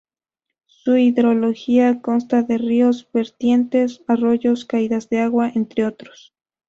Su hidrología consta de ríos, vertientes, arroyos, caídas de agua, entre otros.